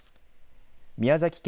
宮崎県